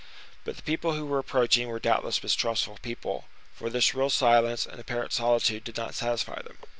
But the people who were approaching were doubtless mistrustful people, for this real silence and apparent solitude did not satisfy them.